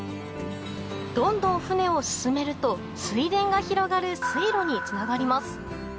どんどん舟を進めると水田が広がる水路につながります